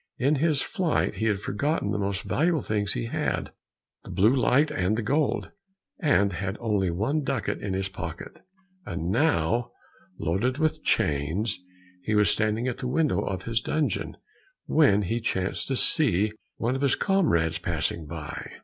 In his flight he had forgotten the most valuable things he had, the blue light and the gold, and had only one ducat in his pocket. And now loaded with chains, he was standing at the window of his dungeon, when he chanced to see one of his comrades passing by.